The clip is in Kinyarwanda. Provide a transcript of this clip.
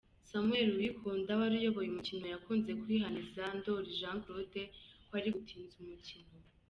Samuel Uwikunda wari uyoboye umukino yakunze kwihaniza Ndoli Jean Claude ko ari gutinza umukino.